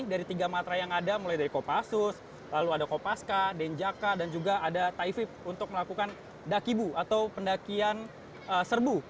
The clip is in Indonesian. dari tiga matra yang ada mulai dari kopassus lalu ada kopaska denjaka dan juga ada taifib untuk melakukan dakibu atau pendakian serbu